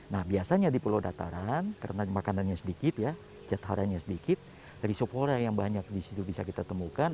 nah biasanya di pulau dataran karena makanannya sedikit jatharanya sedikit rhizophora yang banyak di situ bisa kita temukan